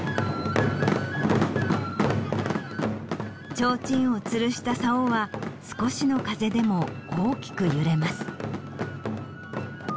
ちょうちんをつるしたさおは少しの風でも大きく揺れます。